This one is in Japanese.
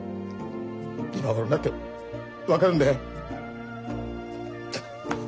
今頃になって分かるんだよ。